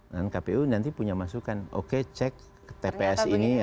dan kpu nanti punya masukan oke cek tps ini